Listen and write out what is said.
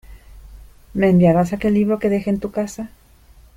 ¿Me enviarás aquel libro que me dejé en tu casa?